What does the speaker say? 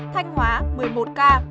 thanh hóa một mươi một ca